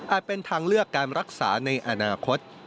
เป็นทางเลือกการรักษาในอนาคต